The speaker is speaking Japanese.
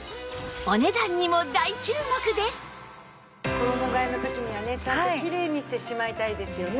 衣替えの時にはねちゃんときれいにしてしまいたいですよね。